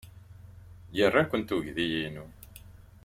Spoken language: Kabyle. Ira-kent uydi-inu.